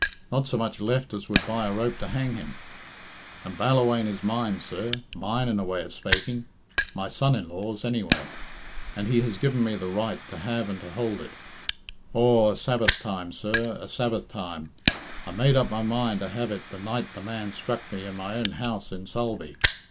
Not so much left as would buy a rope to hang him. And Ballawhaine is mine, sir; mine in a way of spak ing my son in law's, anyway and he has given me the right to have and to hould it. Aw, a Sabbath time, sir; a Sabbath time. I made up my mind to have it the night the man struck me in my own house in Sulby.